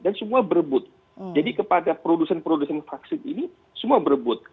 dan semua berbut jadi kepada produsen produsen vaksin ini semua berbut